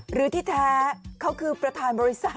หรือที่แท้เขาคือประธานบริษัท